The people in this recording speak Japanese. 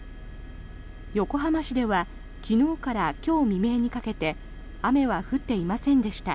横浜市では昨日から今日未明にかけて雨は降っていませんでした。